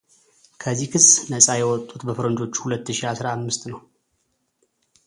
ከዚህ ክስ ነጻ የወጡት በፈረንጆቹ ሁለት ሺ አስራ አምስት ነው።